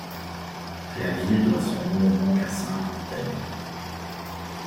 La ville doit son nom au mont Cassin en Italie.